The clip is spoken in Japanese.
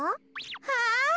はい。